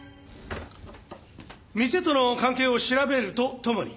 店との関係を調べるとともに